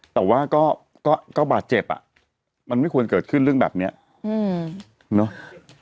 แต่ว่าก็บาดเจ็บอ่ะมันไม่ควรเกิดขึ้นเรื่องแบบนี้เนาะ